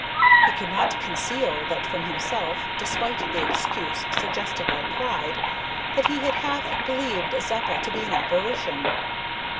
He could not conceal that from himself, despite the excuse suggested by pride that he had half believed Zeppa to be an apparition.